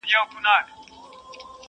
• پروت کلچه وهلی پرې ښامار د نا پوهۍ کنې,